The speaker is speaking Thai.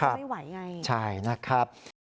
ไม่ไหวไงใช่นะครับ